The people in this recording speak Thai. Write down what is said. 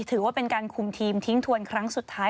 ถือว่าเป็นการคุมทีมทิ้งทวนครั้งสุดท้าย